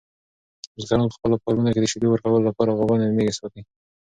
بزګران په خپلو فارمونو کې د شیدو ورکولو لپاره غواګانې او میږې ساتي.